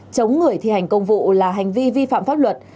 chống người thi hành công vụ là hành vi vi phạm pháp luật